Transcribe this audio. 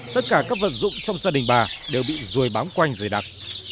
tất cả các vật dụng trong gia đình bà đều bị rùi bám quanh dày đặc